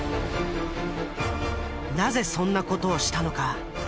なぜそんな事をしたのか？